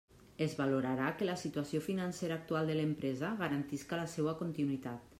Es valorarà que la situació financera actual de l'empresa garantisca la seua continuïtat.